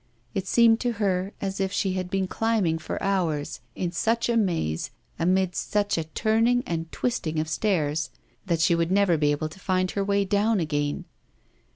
It seemed to her as if she had been climbing for hours, in such a maze, amidst such a turning and twisting of stairs that she would never be able to find her way down again.